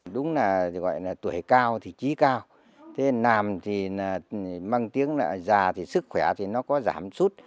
đúng là tuổi cao thì trí cao nàm thì mang tiếng là già thì sức khỏe thì nó có giảm sút